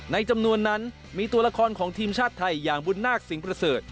ในจำนวนนั้นมีตัวละครของทีมชาติไทยอย่างบุญนาคสิงห์ประเสริฐ